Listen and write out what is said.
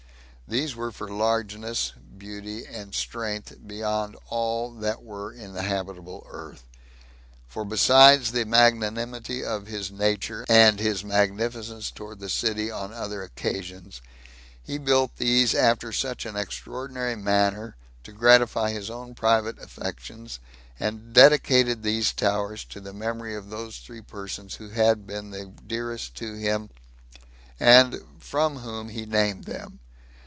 These were for largeness, beauty, and strength beyond all that were in the habitable earth; for besides the magnanimity of his nature, and his magnificence towards the city on other occasions, he built these after such an extraordinary manner, to gratify his own private affections, and dedicated these towers to the memory of those three persons who had been the dearest to him, and from whom he named them.